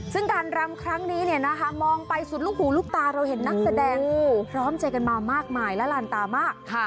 ซึ่งการรำครั้งนี้เนี่ยนะคะมองไปสุดลูกหูลูกตาเราเห็นนักแสดงพร้อมใจกันมามากมายและลานตามาก